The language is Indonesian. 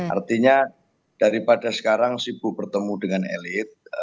artinya daripada sekarang sibuk bertemu dengan elit